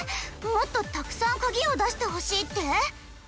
もっとたくさんカギをだしてほしいって？